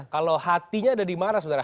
kalau hatinya ada dimana sebenarnya